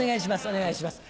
お願いします。